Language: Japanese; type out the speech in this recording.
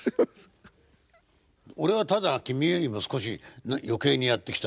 俺はただ君よりも少し余計にやってきた。